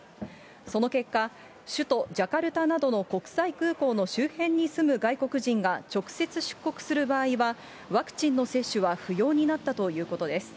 その結果、首都ジャカルタなどの国際空港の周辺に住む外国人が直接出国する場合は、ワクチンの接種は不要になったということです。